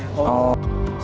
oh saya sudah lupa